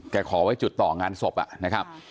ขอไว้จุดต่องานศพนะครับ